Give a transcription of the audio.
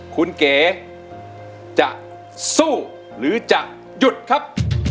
คุณเก๋จะสู้หรือจะหยุดครับ